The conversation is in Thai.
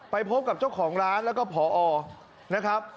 ไปพบกับเจ้าของร้านแล้วก็พอนะครับ